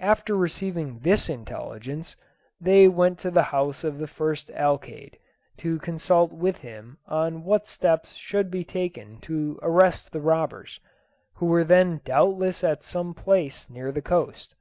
After receiving this intelligence, they went to the house of the first alcalde, to consult with him on what steps should be taken to arrest the robbers, who were then doubtless at some place near the coast.